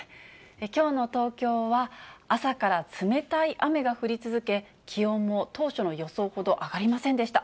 きょうの東京は、朝から冷たい雨が降り続け、気温も当初の予想ほど上がりませんでした。